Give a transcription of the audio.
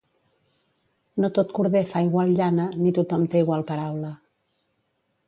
No tot corder fa igual llana, ni tothom té igual paraula.